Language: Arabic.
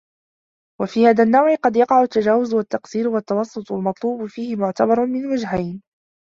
وَفِي هَذَا النَّوْعِ قَدْ يَقَعُ التَّجَاوُزُ وَالتَّقْصِيرُ وَالتَّوَسُّطُ الْمَطْلُوبُ فِيهِ مُعْتَبَرٌ مِنْ وَجْهَيْنِ